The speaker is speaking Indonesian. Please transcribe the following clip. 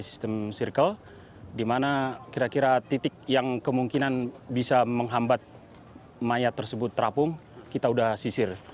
sistem circle di mana kira kira titik yang kemungkinan bisa menghambat mayat tersebut terapung kita sudah sisir